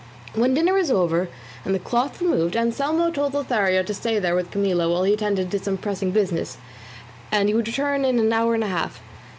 When dinner was over and the cloth removed, Anselmo told Lothario to stay there with Camilla while he attended to some pressing business, as he would return in an hour and a half.